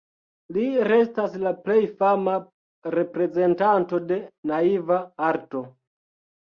Li restas la plej fama reprezentanto de naiva arto.